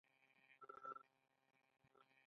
د غور خلک نه یواځې دا چې لرغوني دي، بلکې تاریخي هم دي.